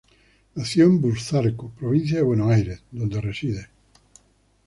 Nació en Burzaco, provincia de Buenos Aires donde reside.